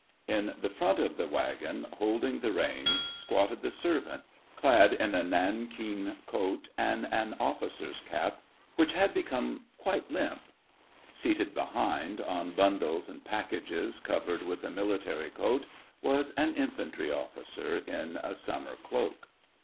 In the front of the wagon, holding the reins, squatted the servant, clad in a nankeen coat and an offi cer's cap, which had become quite limp ; seated behind, on bundles and packages covered with a military coat, was an infantry officer, in a summer cloak.